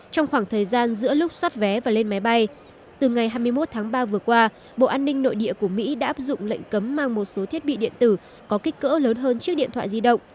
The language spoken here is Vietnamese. trong khoảng thời gian giữa lúc xoát vé và lên máy bay từ ngày hai mươi một tháng ba vừa qua bộ an ninh nội địa của mỹ đã áp dụng lệnh cấm mang một số thiết bị điện tử có kích cỡ lớn hơn chiếc điện thoại di động